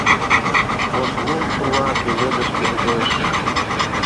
Ош лум шула, пеледыш пеледеш